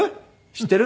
知ってる？」